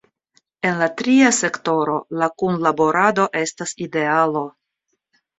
En la tria sektoro la kunlaborado estas idealo.